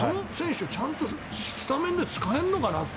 ちゃんとスタメンで使えるのかなと思って。